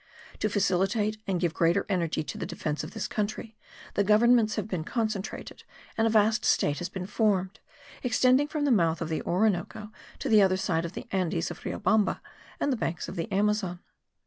To facilitate and give greater energy to the defence of this country the governments have been concentrated, and a vast state has been formed, extending from the mouth of the Orinoco to the other side of the Andes of Riobamba and the banks of the Amazon.